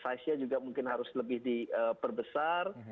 saiznya juga mungkin harus lebih diperbesar